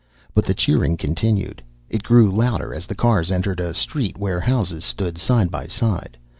But the cheering continued. It grew louder as the cars entered a street where houses stood side by side.